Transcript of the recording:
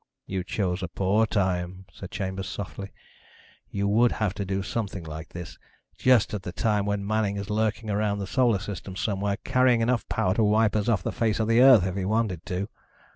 "You chose a poor time," said Chambers softly. "You would have to do something like this, just at the time when Manning is lurking around the Solar System somewhere, carrying enough power to wipe us off the face of the Earth if he wanted to."